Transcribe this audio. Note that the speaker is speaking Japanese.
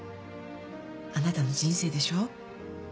あなたの人生でしょ？